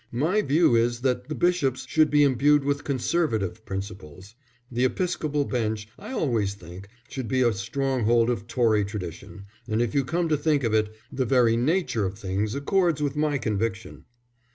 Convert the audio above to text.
"My view is that the bishops should be imbued with Conservative principles. The episcopal bench, I always think, should be a stronghold of Tory tradition, and if you come to think of it, the very nature of things accords with my conviction."